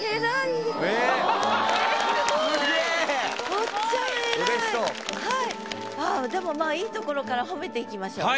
でもまあいいところから褒めていきましょうね。